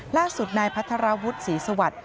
ล่าสุดนายพัทรวุฒิศีสวัตร